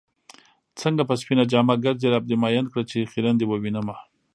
څنګه په سپينه جامه ګرځې رب دې مئين کړه چې خيرن دې ووينمه